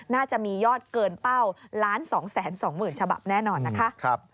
น่าจะมียอดเกินเป้า๑๒๒๐๐๐ฉบับแน่นอนนะคะ